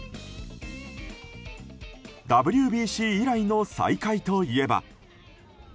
ＷＢＣ以来の再会といえば。